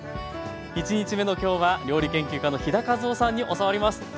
１日目の今日は料理研究家の飛田和緒さんに教わります。